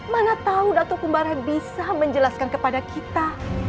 mana tahu dato kumbara bisa menjelaskan kepada kita